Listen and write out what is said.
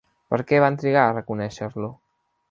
Per què van trigar a reconèixer-lo?